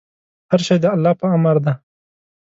هر شی د الله په امر دی.